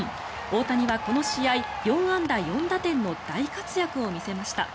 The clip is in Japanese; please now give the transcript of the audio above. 大谷はこの試合、４安打４打点の大活躍を見せました。